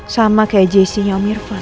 sama kayak jessinya om irfan